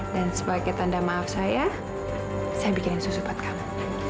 dan sebagai tanda maaf saya saya bikinin susu buat kamu